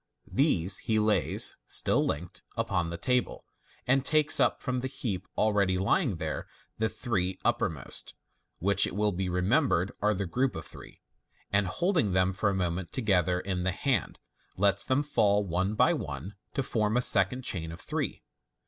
These he lays, still linked, upon the table, and takes up from the heap already lying there the three uppermost (which, it will be remem bered, are the group of three), aid holding them for a moment together in the hand, lets them fall one by one to form a second chain of three.